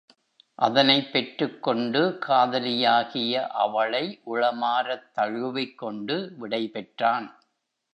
அதனைப் பெற்றுக் கொண்டு காதலியாகிய அவளை உளமாரத் தழுவிக் கொண்டு விடைபெற்றான்.